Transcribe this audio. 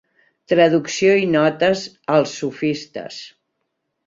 Traducció i notes a Els sofistes.